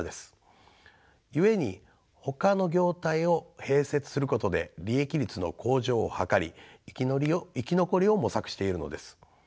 故にほかの業態を併設することで利益率の向上を図り生き残りを模索しているのです。